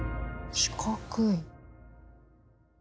四角い。